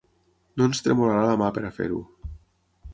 No ens tremolarà la mà per a fer-ho.